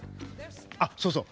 あっそうそう。